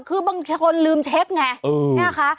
คือบางคนลืมเช็กไงเออใช่ไหมคะ